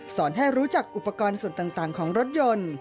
ให้รู้จักอุปกรณ์ส่วนต่างของรถยนต์